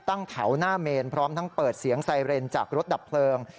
ตั้งแถวหน้าเมนพร้อมทั้งเปิดเสียงไซเรนจากรถดับเพลิง